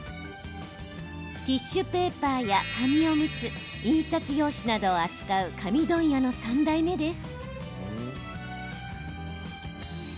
ティッシュペーパーや紙おむつ印刷用紙などを扱う紙問屋の３代目です。